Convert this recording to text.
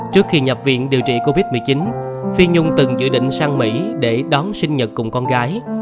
trước khi nhập viện điều trị covid một mươi chín phi nhung từng dự định sang mỹ để đón sinh nhật cùng con gái